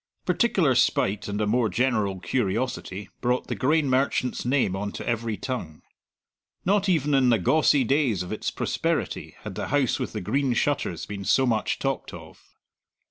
Particular spite and a more general curiosity brought the grain merchant's name on to every tongue. Not even in the gawcey days of its prosperity had the House with the Green Shutters been so much talked of.